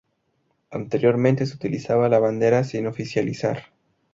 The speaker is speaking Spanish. Anteriormente se utilizaba la bandera sin oficializar.